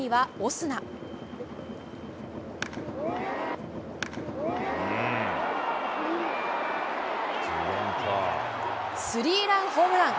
スリーランホームラン。